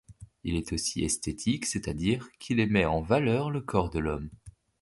Il est aussi esthétique, c'est-à-dire qu'il met en valeur le corps de l'homme.